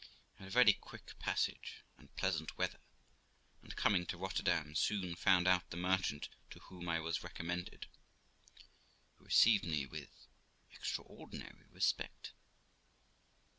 I had a very quick passage and pleasant weather, and, coming to Rotterdam, soon found out the merchant to whom I was recommended, who received me with extraordinary respect.